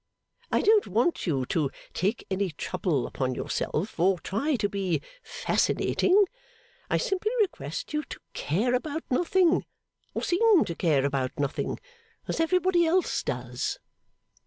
I don't want you to take any trouble upon yourself, or to try to be fascinating. I simply request you to care about nothing or seem to care about nothing as everybody else does.